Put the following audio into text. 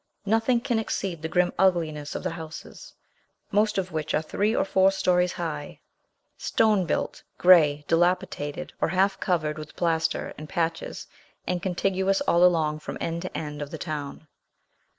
Nothing can exceed the grim ugliness of the houses, most of which are three or four stories high, stone built, gray, dilapidated, or half covered with plaster in patches, and contiguous all along from end to end of the town.